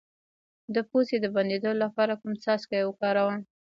د پوزې د بندیدو لپاره کوم څاڅکي وکاروم؟